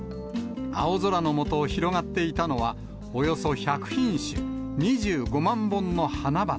青空の下、広がっていたのは、およそ１００品種、２５万本の花々。